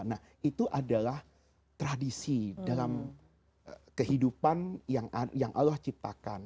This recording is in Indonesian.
nah itu adalah tradisi dalam kehidupan yang allah ciptakan